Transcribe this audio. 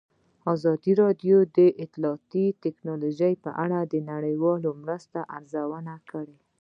ازادي راډیو د اطلاعاتی تکنالوژي په اړه د نړیوالو مرستو ارزونه کړې.